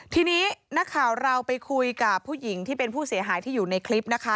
ทีนี้นักข่าวเราไปคุยกับผู้หญิงที่เป็นผู้เสียหายที่อยู่ในคลิปนะคะ